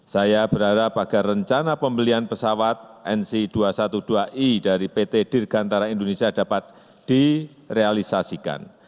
saya berharap agar rencana pembelian pesawat nc dua ratus dua belas i dari pt dirgantara indonesia dapat direalisasikan